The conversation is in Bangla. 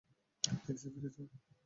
ডেস্কে ফিরে যাও।